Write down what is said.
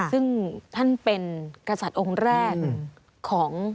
ซึ่งท่านเป็นกษัตริย์องค์แรกของ